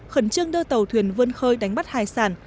khẩn trương đưa tàu thuyền vươn khơi đánh bắt hải sản